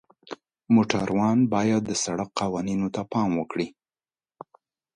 موټروان باید د سړک قوانینو ته پام وکړي.